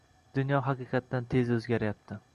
Dunyo haqiqatan tez oʻzgaryapti